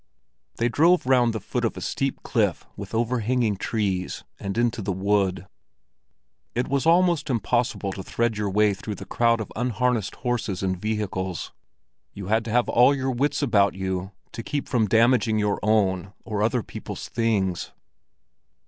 They drove round the foot of a steep cliff with overhanging trees, and into the wood. It was almost impossible to thread your way through the crowd of unharnessed horses and vehicles. You had to have all your wits about you to keep from damaging your own and other people's things.